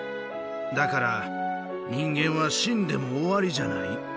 だから、人間は死んでも終わりじゃない。